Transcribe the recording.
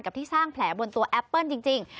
ที่สร้างแผลบนตัวแอปเปิ้ลจริง